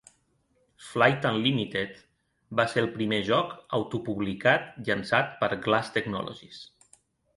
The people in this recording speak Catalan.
"Flight Unlimited" va ser el primer joc autopublicat llançat per Glass Technologies.